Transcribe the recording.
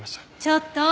ちょっと！